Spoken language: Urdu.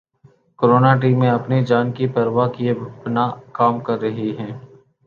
کروناء ٹائم میں اپنی جان کی پرواہ کیے بنا کام کر رہے ہیں۔